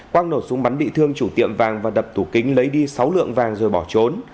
quang nổ súng bắn bị thương chủ tiệm vàng và đập thủ kính lấy đi sáu lượng vàng rồi bỏ trốn